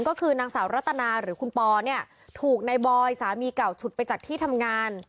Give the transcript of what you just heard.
ก็คือนางสาวรัตนาหรือคุณปอเนี่ยถูกในบอยสามีเก่าฉุดไปจากที่ทำงาน